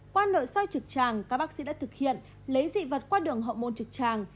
qua nội soi trực tràng các bác sĩ đã thực hiện lấy dị vật qua đường hậu môn trực tràng